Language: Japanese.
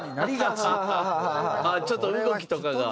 ちょっと動きとかが？